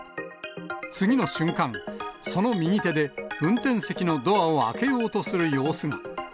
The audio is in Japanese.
次の瞬間、その右手で運転席のドアを開けようとする様子が。